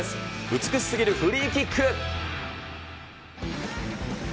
美しすぎるフリーキック。